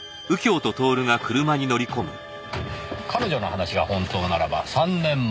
彼女の話が本当ならば３年前。